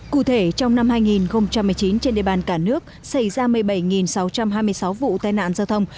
cụ thể trong năm hai nghìn một mươi chín trên địa bàn cả nước xảy ra một mươi bảy sáu trăm hai mươi sáu vụ tai nạn giao thông